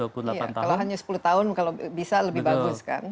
kalau hanya sepuluh tahun kalau bisa lebih bagus kan